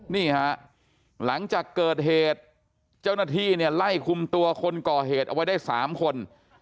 นี่ฮะหลังจากเกิดเหตุเจ้าหน้าที่เนี่ยไล่คุมตัวคนก่อเหตุเอาไว้ได้๓คน